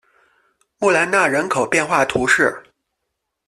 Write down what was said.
穆兰纳人口变化图示